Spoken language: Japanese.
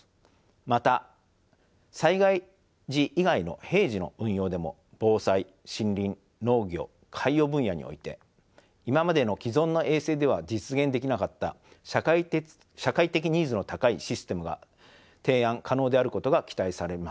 また災害時以外の平時の運用でも防災森林農業海洋分野において今までの既存の衛星では実現できなかった社会的ニーズの高いシステムが提案可能であることが期待されます。